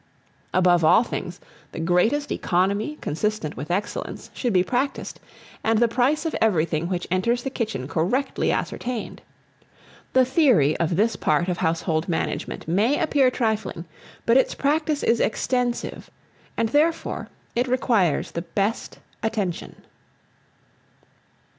Above all things, the greatest economy, consistent with excellence, should be practised, and the price of everything which enters the kitchen correctly ascertained. The theory of this part of Household Management may appear trifling; but its practice is extensive, and therefore it requires the best attention.